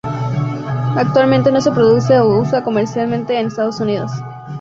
Actualmente no se produce o usa comercialmente en Estados Unidos.